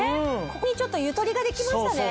ここにちょっとゆとりができましたね